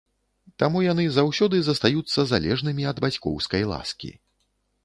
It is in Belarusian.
Таму яны заўсёды застаюцца залежнымі ад бацькоўскай ласкі.